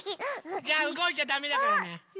じゃあうごいちゃだめだからね。